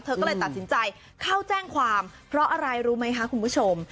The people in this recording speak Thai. เธอก็เลยตัดสินใจเข้าแจ้งความเพราะอะไรรู้ไหมคะคุณผู้ชม